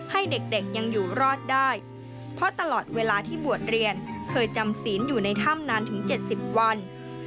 ให้เด็กยังอยู่รอดได้เพราะตลอดเวลาที่บวชเรียนเคยจำศีลอยู่ในถ้ำนานถึง๗๐วัน